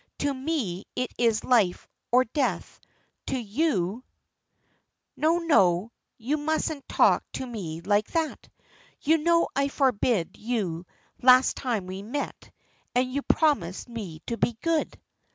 To me it is life or death to you " "No, no, you mustn't talk to me like that. You know I forbid you last time we met, and you promised me to be good."